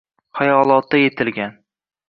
Xayolotda yetilgan.